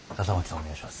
お願いします。